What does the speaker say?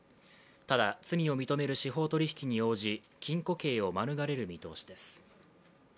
ただ、罪を認める司法取り引きに応じ、禁固刑を免れる見通しです。